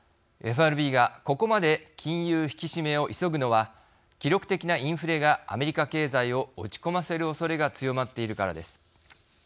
ＦＲＢがここまで金融引き締めを急ぐのは記録的なインフレがアメリカ経済を落ち込ませるおそれが強まっているからです。